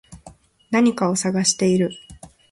何かを探している